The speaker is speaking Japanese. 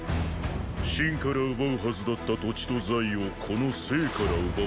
秦から奪うはずだった土地と財をこの斉から奪わんとするか。